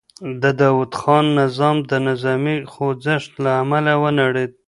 د داوود خان نظام د نظامي خوځښت له امله ونړېد.